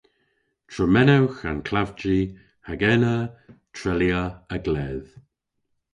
Tremenewgh an klavji hag ena treylya a-gledh.